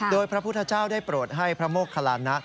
โดยพระพุทธเจ้าได้โปรดให้พระโมคลานะ